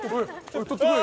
とってこい。